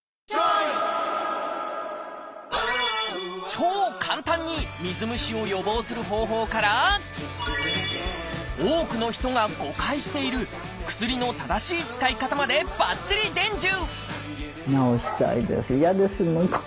超簡単に水虫を予防する方法から多くの人が誤解している薬の正しい使い方までばっちり伝授！